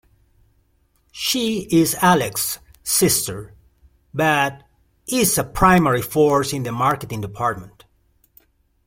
She is Alex's sister, but is a primary force in the Marketing Department.